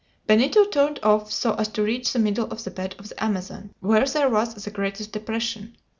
Benito turned off so as to reach the middle of the bed of the Amazon, where there was the greatest depression.